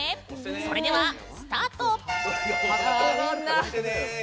それではスタート！